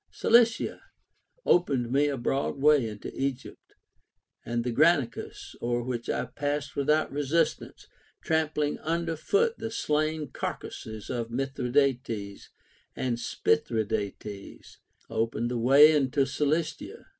Cilicia opened me a broad way into Egypt ; and the Granicus, o'er which I passed Avithout resistance, trampling under foot the slain carcasses of Mithridates and Spithridates, opened. the way into Cilicia.